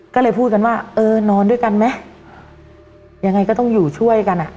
ก็เลยพูดกันว่าเออนอนด้วยกันไหมยังไงก็ต้องอยู่ช่วยกันอ่ะ